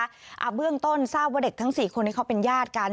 เบื้องต้นทราบว่าเด็กทั้งสี่คนนี้เขาเป็นญาติกัน